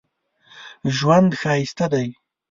ژوند ښایسته دی